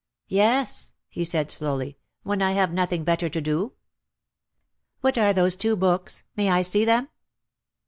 "Yes," he said slowly, "when I have nothing better to do." "What are those two books? May I see them?"